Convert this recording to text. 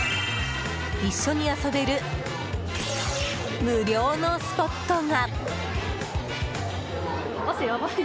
一緒に遊べる無料のスポットが。